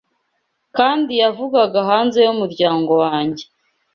Kandi yavugaga hanze y'umuryango wanjye